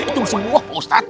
itu musim buah pak ustadz